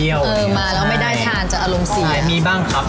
เออมาแล้วไม่ได้ทานจะอารมณ์เสียมีบ้างครับ